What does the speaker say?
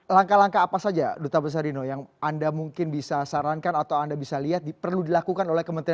langkah langkah apa saja duta besar dino yang anda mungkin bisa sarankan atau anda bisa lihat perlu dilakukan oleh kementerian